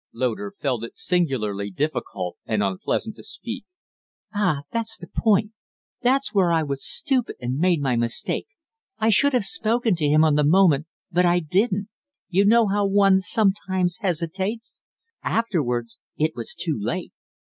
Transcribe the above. Loder felt it singularly difficult and unpleasant to speak. "Ah, that's the point. That's where I was stupid and made my mistake. I should have spoken to him on the moment, but I didn't. You know how one sometimes hesitates. Afterwards it was too late."